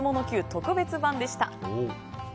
Ｑ特別版でした。